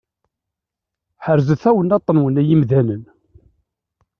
Ḥerzet tawennaṭ-nwen ay imdanen!